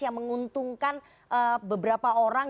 yang menguntungkan beberapa orang